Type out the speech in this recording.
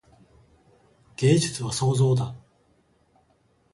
芸術は創造だ。